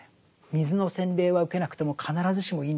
水の洗礼は受けなくても必ずしもいいんだと。